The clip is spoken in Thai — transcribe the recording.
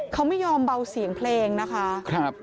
เขาไม่ยอมเบาเสียงเพลงนะคะ